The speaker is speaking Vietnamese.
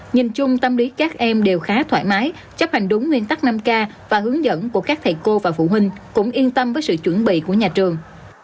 nhìn chung tâm lý các em đều khá thoải mái chấp hành đúng nguyên tắc năm k và hướng dẫn của các thầy cô và phụ huynh cũng yên tâm với sự chuẩn bị của nhà trường